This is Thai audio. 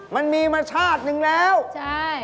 มันมีมาชาตินึงแล้วใช่